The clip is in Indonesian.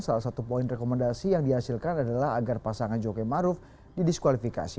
salah satu poin rekomendasi yang dihasilkan adalah agar pasangan jokowi maruf didiskualifikasi